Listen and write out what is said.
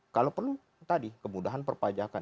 kalau perlu tadi kemudahan perpajakan